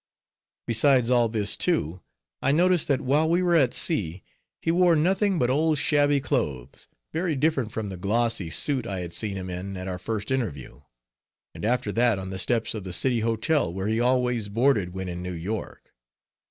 Besides all this, too, I noticed that while we were at sea, he wore nothing but old shabby clothes, very different from the glossy suit I had seen him in at our first interview, and after that on the steps of the City Hotel, where he always boarded when in New York.